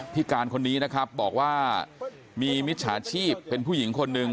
พี่การคนนี้นะครับบอกว่ามีมิจฉาชีพเป็นผู้หญิงคนหนึ่ง